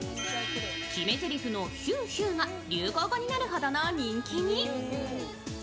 決めぜりふのヒューヒューが流行語になるほどの人気に。